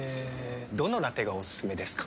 どのラテがおすすめですか？